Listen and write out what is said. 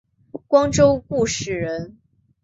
光州固始人。